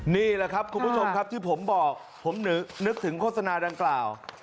นี่แหละครับคุณผู้ชมครับที่ผมบอกผมนึกถึงโฆษณาดังกล่าว